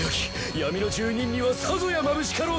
闇の住人にはさぞやまぶしかろう！